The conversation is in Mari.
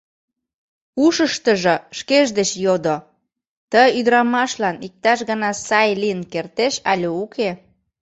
Ушыштыжо шкеж деч йодо: ты ӱдырамашлан иктаж гана сай лийын кертеш але уке?